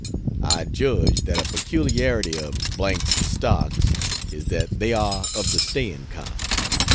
I judge that a peculiarity of B 's stocks is that they are of the staying kind.